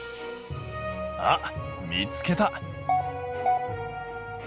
あっ見つけた！